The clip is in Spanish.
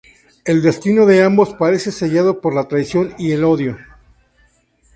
El destino de ambos parece sellado por la traición y el odio.